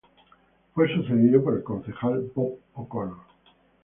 Fue sucedido por el concejal Bob O'Connor.